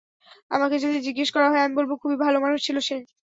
আমাকে যদি জিজ্ঞেস করা হয়, আমি বলব খুবই ভালো মানুষ ছিল সে।